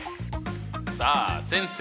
さあ先生